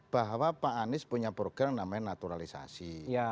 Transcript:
bahwa pak anies punya program namanya naturalisasi